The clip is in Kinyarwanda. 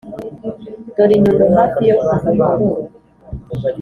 dore i nyundo hafi yo ku muhororo